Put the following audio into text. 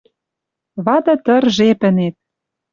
Вады тыр жепӹнет